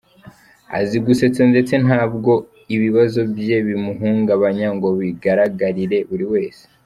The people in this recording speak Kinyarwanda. Azi gusetsa ndetse ntabwo ibibazo bye bimuhungabanya ngo bigaragarire buri wese.